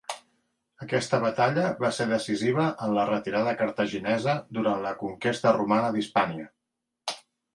Aquesta batalla va ser decisiva en la retirada cartaginesa durant la conquesta romana d'Hispània.